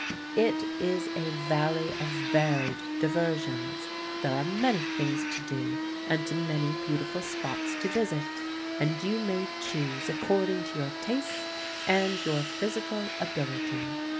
It is a valley of varied diversions. There are many things to do and many beautiful spots to visit, and you may choose according to your tastes and your physical ability.